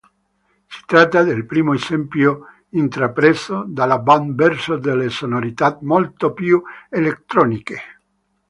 Si tratta del primo esempio intrapreso dalla band verso delle sonorità molto più elettroniche.